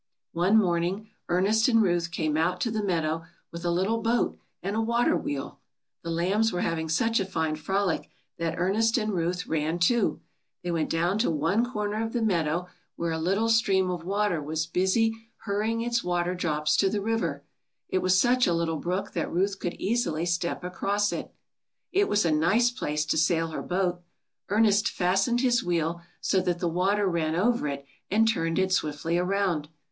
One morning Ernest and Ruth came out to the meadow with a little boat and a water wheel. The lambs were having ^uch a fine frolic that Ernest and Ruth ran, too. They went down to one corner of the meadow where THE SONG THEY ALL SANG. 81 a little stream of water was busy hurrying its water drops to the river. It was such a little brook that Ruth could easily step across it. It was a nice place to sail her boat. Ernest fastened his wheel, so that the water ran over it and turned it swiftly around.